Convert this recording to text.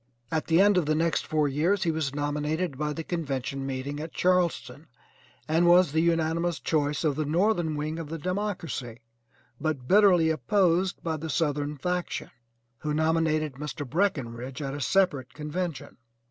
At the end of the next four years he was nominated by the convention meeting at Charleston, and was the unanimous choice of the northern wing of the Democracy, but bitterly opposed by the Southern faction, who nominated Mr. Breckinridge at a separate convention.